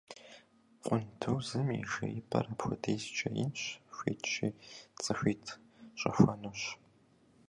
Къундузым и жеипӀэр апхуэдизкӀэ инщ, хуитщи цӀыхуитӀ щӀэхуэнущ.